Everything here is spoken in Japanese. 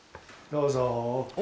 どうぞ。